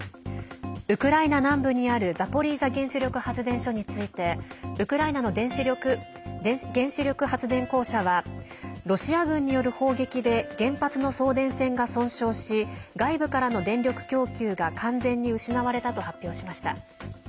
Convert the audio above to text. ウクライナ南部にあるザポリージャ原子力発電所についてウクライナの原子力発電公社はロシア軍による砲撃で原発の送電線が損傷し外部からの電力供給が完全に失われたと発表しました。